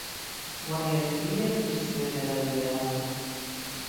Guardia Zibilak itxi zuen hedabidea.